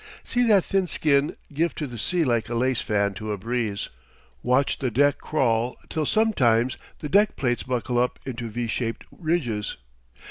See that thin skin give to the sea like a lace fan to a breeze! Watch the deck crawl till sometimes the deck plates buckle up into V shaped ridges!